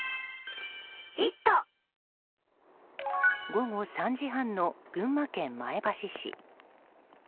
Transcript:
午後３時半の群馬県前橋市。